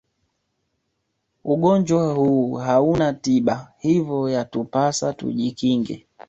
ugonjwa huu hauna tiba hivyo yatupasa tujikinge